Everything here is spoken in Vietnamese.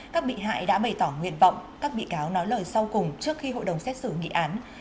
các bị hại đã bày tỏ nguyện vọng các bị cáo nói lời sau cùng trước khi hội đồng xét xử nghị án